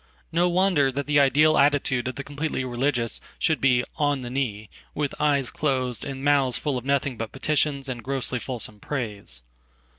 No wonder that the idealattitude of the completely religious should be "on the knee," witheyes closed and mouths full of nothing but petitions and grosslyfulsome praise.